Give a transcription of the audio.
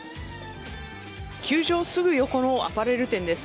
球場すぐ横のアパレル店です。